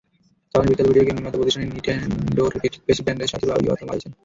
জাপানের বিখ্যাত video game নির্মাতা প্রতিষ্ঠান নিনটেনডোর প্রেসিডেন্ট সাতোরু আইওয়াতা মারা গেছেন।